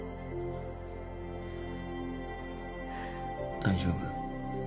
大丈夫？